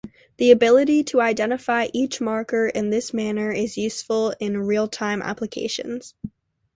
The ability to identify each marker in this manner is useful in realtime applications.